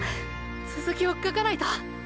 つづきを書かないと。